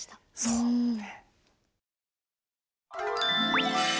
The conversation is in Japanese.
そうね。